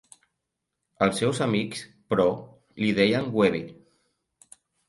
Els seus amics, però, li deien Webby.